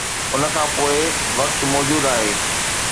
ان کان پوء وقت موجود آهي.